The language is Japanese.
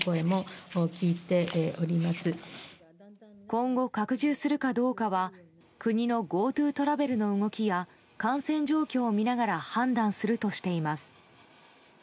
今後、拡充するかどうかは国のＧｏＴｏトラベルの動きや感染状況を見ながら判断するとしています。